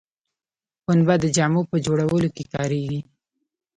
پنبه د جامو په جوړولو کې کاریږي